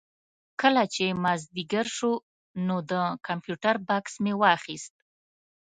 کله چې مازدیګر شو نو د کمپیوټر بکس مې واخېست.